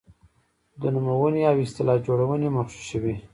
د نومونې او اصطلاح جوړونې مغشوشوي.